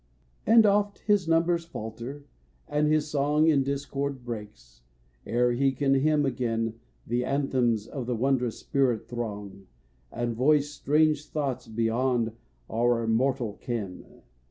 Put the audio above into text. And oft his numbers falter, and his song In discord breaks, ere he can hymn again The anthems of the wondrous spirit throng, And voice strange thoughts beyond our mortal ken.